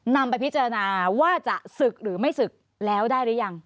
นำไปพิจารณาว่าจะศึกหรือไม่ศึกแล้วได้หรือยัง